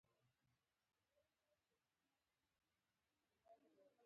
او د ژوندانه له کړاوونو سره د استقامت سمبول ونه ګڼي.